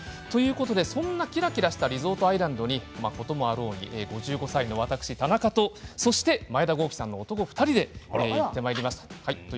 そんなキラキラしたリゾートアイランドにこともあろうに５５歳の私と前田公輝さんの男２人で行ってまいりました。